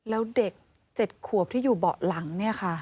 แล้วเด็ก๗ขวบที่อยู่เบาะหลังเนี่ยค่ะ